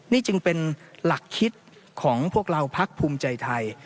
นี่จึงเป็นหลักคิดของพวกเราพักภูมิใจไทย